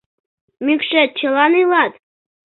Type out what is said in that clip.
Мӱкшет чылан илат?